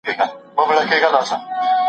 استاد نوې تګلارې څېړونکي ته تشریح کوي.